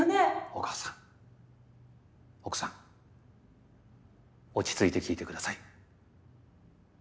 お母さん奥さん落ち着いて聞いてください。